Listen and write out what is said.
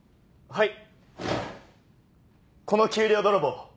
はい。